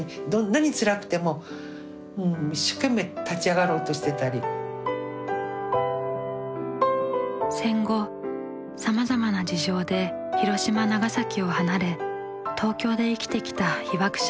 さっき申し上げたように戦後さまざまな事情で広島長崎を離れ東京で生きてきた被爆者。